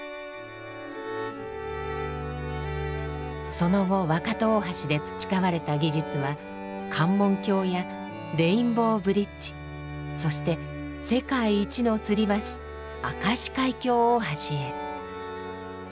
その後若戸大橋で培われた技術は関門橋やレインボーブリッジそして世界一の吊り橋明石海峡大橋へ。